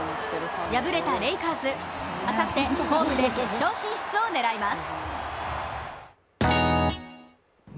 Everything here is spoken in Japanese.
敗れたレイカーズ、あさってホームで決勝進出を狙います。